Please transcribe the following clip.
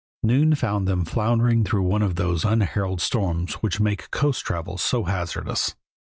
Noon found them floundering through one of those unheralded storms which make coast travel so hazardous.